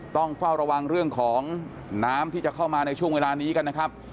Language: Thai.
ต้องเฝ้าระวังเรื่องของน้ำที่จะเข้ามาในช่วงเวลานี้กันนะครับ